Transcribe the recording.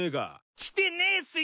来てねえっすよ。